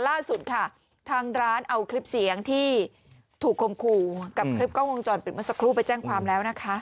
ล่าสุดค่ะทางร้านเอาคลิปเสียงที่ถูกคมคู่กับคลิปกล้องวงจรปิดเมื่อสักครู่ไปแจ้งความแล้วนะคะ